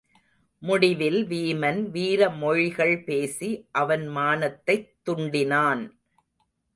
முடிவில் வீமன் வீர மொழிகள் பேசி அவன் மானத்தைத் துண்டினான்.